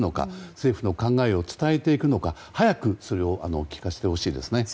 政府の考えを伝えていくのか早くそれを聞かせてほしいですね。